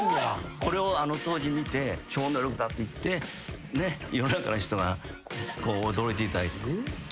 これを当時見て超能力だっていって世の中の人がこう驚いていただいて。